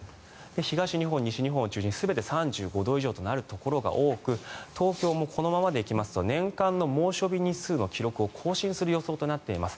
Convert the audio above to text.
東日本、西日本を中心に全て３５度以上となるところが多く東京もこのままで行きますと年間の猛暑日日数の記録を更新する予想となっています。